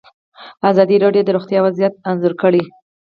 ازادي راډیو د روغتیا وضعیت انځور کړی.